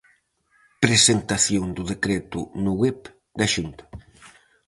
Presentación do decreto no web da Xunta.